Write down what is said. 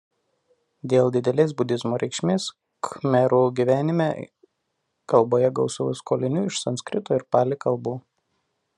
Dėl didelės budizmo reikšmės khmerų gyvenime kalboje gausu skolinių iš sanskrito ir pali kalbų.